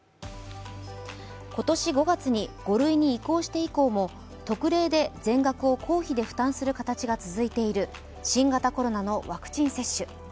今年５月に５類に移行して以降も特例で全額を公費で負担する形が続いている新型コロナのワクチン接種。